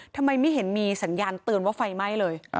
ทำไมไม่เห็นมีสัญญาณเตือนว่าไฟไหม้เลย